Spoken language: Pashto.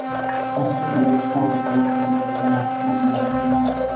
افغانستان د نورستان د پلوه ځانته یوه جلا او ښکلې ځانګړتیا لري.